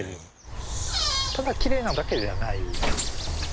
ただきれいなだけではない。